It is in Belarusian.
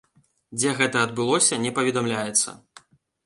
Дзе гэта адбылося, не паведамляецца.